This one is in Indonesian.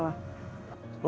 pada lo gak salah